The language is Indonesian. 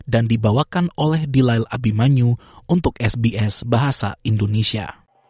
dan dibawakan oleh dilail abimanyu untuk sbs bahasa indonesia